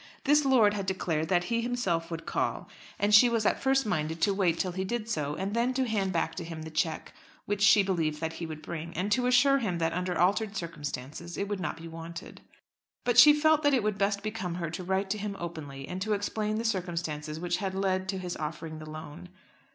This lord had declared that he himself would call, and she was at first minded to wait till he did so, and then to hand back to him the cheque which she believed that he would bring, and to assure him that under altered circumstances it would not be wanted. But she felt that it would best become her to write to him openly, and to explain the circumstances which had led to his offering the loan.